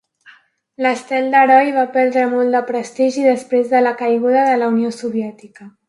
L'Estel d'Heroi va perdre molt de prestigi després de la caiguda de la Unió Soviètica.